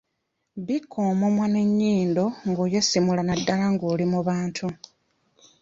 Bikka omumwa n’enyindo ng’oyasimula naddala ng’oli mu bantu.